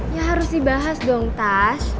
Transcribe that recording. ya harus dibahas dong tas